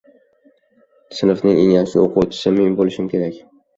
Sinfning eng yaxshi oʻquvchisi men boʻlishim kerak.